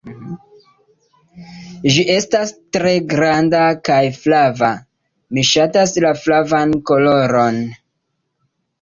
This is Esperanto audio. "Ĝi estas tre granda kaj flava. Mi ŝatas la flavan koloron."